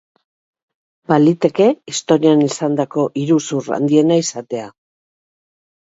Baliteke historian izandako iruzur handiena izatea.